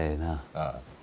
ああ。